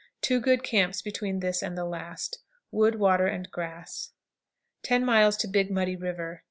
Two good camps between this and the last. Wood, water, and grass. 10. Big Muddy River.